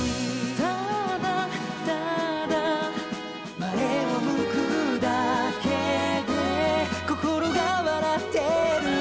「ただ、ただ」「前を向くだけで心が笑ってる」